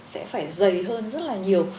sẽ phải dày hơn rất là nhiều